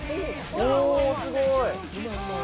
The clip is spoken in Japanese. おー、すごい。